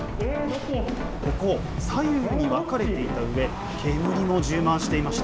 ここ、左右に分かれていたうえ煙も充満していました。